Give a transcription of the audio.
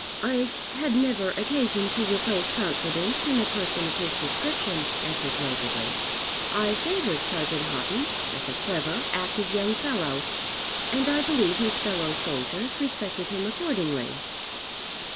'I had never occasion to repose confidence in a person of his description,' answered Waverley. 'I favoured Sergeant Houghton as a clever, active young fellow, and I believe his fellow soldiers respected him accordingly.'